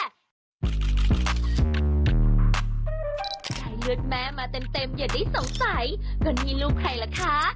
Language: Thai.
เลือดแม่มาเต็มอย่าได้สงสัยก็นี่ลูกใครล่ะคะ